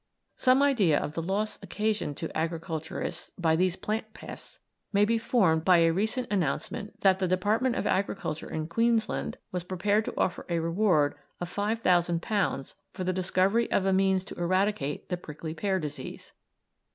Some idea of the loss occasioned to agriculturists by these plant pests may be formed by a recent announcement that the Department of Agriculture in Queensland was prepared to offer a reward of £5,000 for the discovery of a means to eradicate the prickly pear disease.